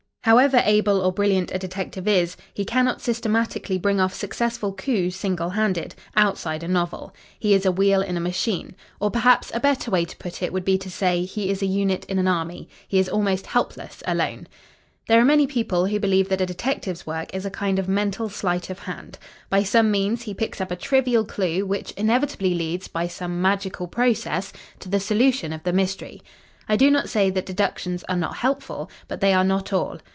However able or brilliant a detective is, he cannot systematically bring off successful coups single handed outside a novel. He is a wheel in a machine. Or perhaps, a better way to put it would be to say, he is a unit in an army. He is almost helpless alone. "There are many people who believe that a detective's work is a kind of mental sleight of hand. By some means, he picks up a trivial clue which inevitably leads, by some magical process, to the solution of the mystery. I do not say that deductions are not helpful, but they are not all.